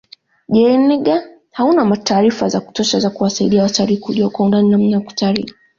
Jaeger hauna taarifa za kutosha za kuwasaidia watalii kujua kwa undani namna ya kutalii